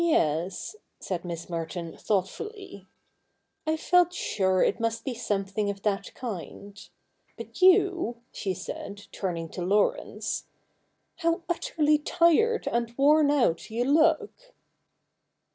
'Yes,' said ^Sliss ]Merton thoughtfully, 'I felt sure it must be something of that kind. But you,' she said, turning to Laurence, ' how utterly tired and worn out you look.'